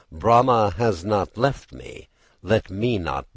_Brahma has not left me, let me not leave Brahma.